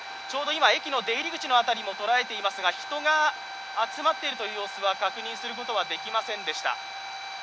ちょうど今駅の出入り口の辺りも捉えていますが人が集まっているという様子は確認することはできませんでした。